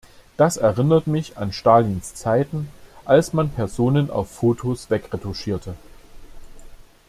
Das erinnert mich an Stalins Zeiten, als man Personen auf Fotos wegretuschierte.